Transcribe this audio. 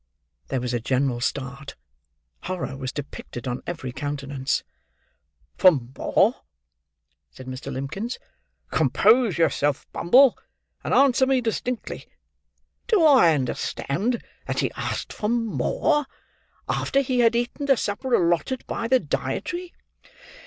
There was a general start. Horror was depicted on every countenance. "For more!" said Mr. Limbkins. "Compose yourself, Bumble, and answer me distinctly. Do I understand that he asked for more, after he had eaten the supper allotted by the dietary?"